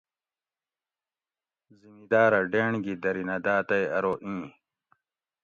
زمیداۤرہ ڈینڑ گی درینہ داۤ تئ ارو اِیں